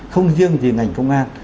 không riêng gì ngành công an